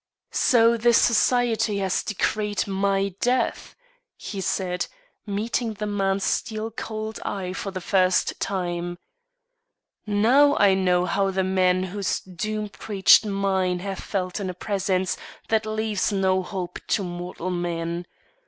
"So the society has decreed my death," he said, meeting the man's steel cold eye for the first time. "Now I know how the men whose doom preceded mine have felt in a presence that leaves no hope to mortal man.